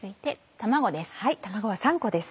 卵は３個です。